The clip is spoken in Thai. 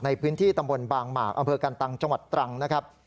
ในพื้นที่ตำบลบางหมากอำเภอกันตังจังหวัดตรังนะครับ